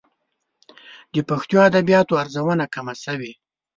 د پښتو ادبياتو ارزونه کمه شوې.